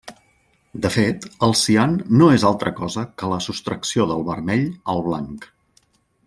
De fet, el cian no és altra cosa que la sostracció del vermell al blanc.